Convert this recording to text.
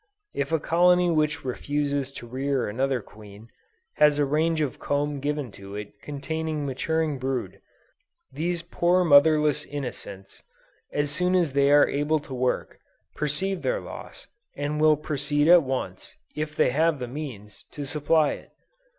If a colony which refuses to rear another queen, has a range of comb given to it containing maturing brood, these poor motherless innocents, as soon as they are able to work, perceive their loss, and will proceed at once, if they have the means, to supply it!